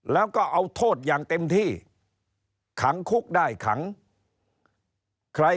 แล้วก็เอาโทษอย่างเต็มที่